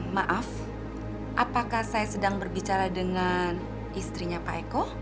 maaf apakah saya sedang berbicara dengan istrinya pak eko